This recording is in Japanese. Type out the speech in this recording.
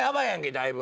だいぶ。